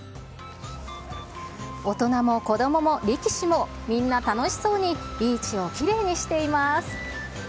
大人も子どもも力士もみんな楽しそうにビーチをきれいにしています。